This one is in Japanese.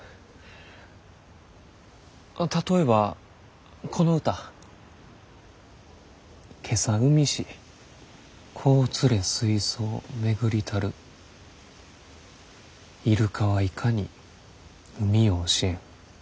例えばこの歌「今朝産みし子を連れ水槽巡りたるイルカは如何に海を教へむ」。